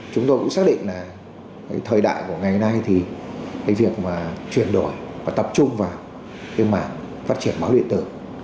chúng tôi cũng xác định là thời đại của ngày nay thì cái việc mà chuyển đổi và tập trung vào cái mảng phát triển báo điện tử